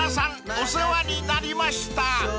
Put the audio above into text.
お世話になりました］